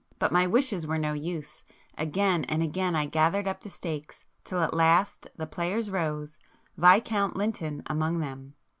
But my wishes were no use,—again and again I gathered up the stakes, till at last the players rose, Viscount Lynton among them.